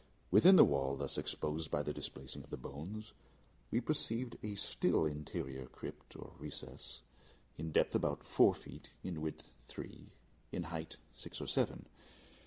Within the wall thus exposed by the displacing of the bones, we perceived a still interior recess, in depth about four feet in width three, in height six or seven.